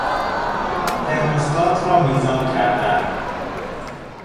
ترموستات را میزان کردن